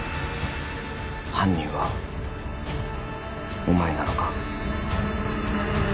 犯人はお前なのか？